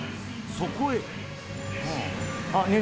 そこへ。